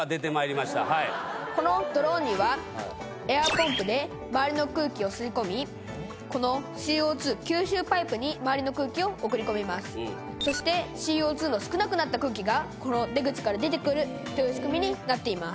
このドローンにはエアポンプで周りの空気を吸い込みこのＣＯ２吸収パイプに周りの空気を送り込みますそしてＣＯ２の少なくなった空気がこの出口から出てくるという仕組みになっています